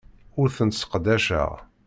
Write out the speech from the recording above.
Ur tent-sseqdaceɣ.